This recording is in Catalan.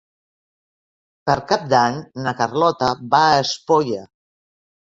Per Cap d'Any na Carlota va a Espolla.